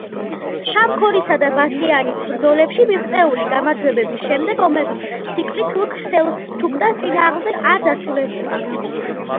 შამქორისა და ბასიანის ბრძოლებში მიღწეული გამარჯვებების შემდეგ, ომების ციკლი თურქ-სელჩუკთა წინააღმდეგ არ დასრულებულა.